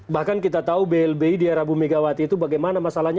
bahkan kita tahu blbi di era bu megawati itu bagaimana masalahnya